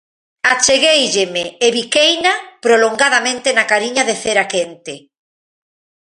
Acheguéilleme e biqueina prolongadamente na cariña de cera quente.